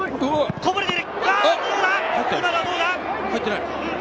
こぼれている。